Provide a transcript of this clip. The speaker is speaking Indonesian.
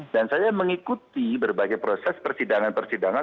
dan saya mengikuti berbagai proses persidangan persidangan